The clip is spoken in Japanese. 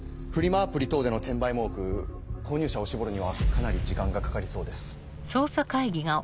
アプリ等での転売も多く購入者を絞るにはかなり時間がかかりそうです。